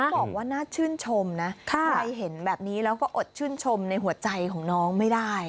บอกว่าน่าชื่นชมนะใครเห็นแบบนี้แล้วก็อดชื่นชมในหัวใจของน้องไม่ได้